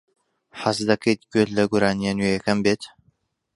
حەز دەکەیت گوێت لە گۆرانییە نوێیەکەم بێت؟